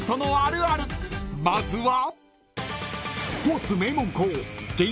［まずは］